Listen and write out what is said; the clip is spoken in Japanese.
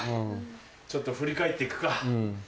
ちょっと振り返って行くか。